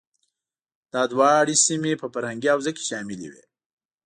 دا دواړه سیمې په فرهنګي حوزه کې شاملې وې.